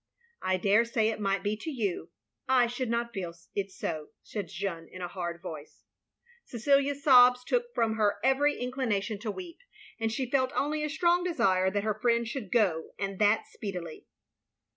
"I daresay it might be to you. I should not feel it so, " said Jeanne, in a hard voice. Cecilia's sobs took from her every inclination to weep; and she felt only a strong desire that her friend should go, and that speedily.